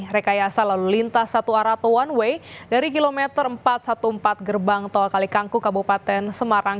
rekayasa lalu lintas satu arah atau one way dari kilometer empat ratus empat belas gerbang tol kalikangku kabupaten semarang